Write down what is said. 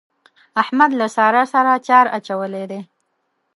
احمد له سارا سره چار اچولی دی.